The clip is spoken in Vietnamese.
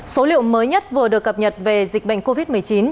số liệu mới nhất vừa được cập nhật về dịch bệnh covid một mươi chín